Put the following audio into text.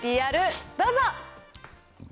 ではＶＴＲどうぞ。